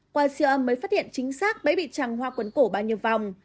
qua siêu âm mới phát hiện chính xác bấy bị tràng hoa cuốn cổ bao nhiêu vòng